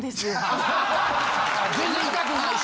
全然痛くないし。